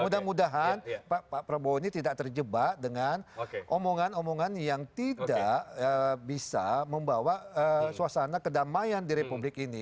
mudah mudahan pak prabowo ini tidak terjebak dengan omongan omongan yang tidak bisa membawa suasana kedamaian di republik ini